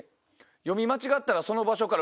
「読み間違ったらその場所から」。